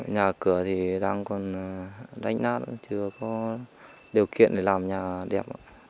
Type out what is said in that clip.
nhà cửa thì đang còn đánh nát chưa có điều kiện để làm nhà đẹp